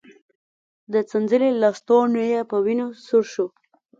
د څنځلې لستوڼی يې په وينو سور شو.